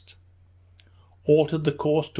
altered the course to W.